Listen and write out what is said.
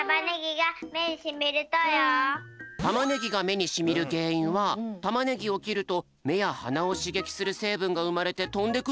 タマネギがめにしみるげんいんはタマネギをきるとめやはなをしげきするせいぶんがうまれてとんでくるからなんだって。